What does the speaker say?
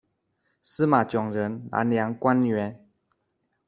司马褧人，南梁官员。